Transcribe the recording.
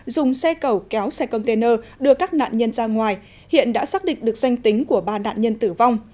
dùng xe cầu kéo xe container đưa các nạn nhân ra ngoài hiện đã xác định được danh tính của ba nạn nhân tử vong